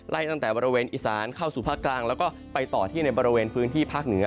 ตั้งแต่บริเวณอีสานเข้าสู่ภาคกลางแล้วก็ไปต่อที่ในบริเวณพื้นที่ภาคเหนือ